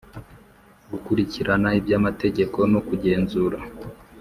Gukurikirana iby amategeko no kugenzura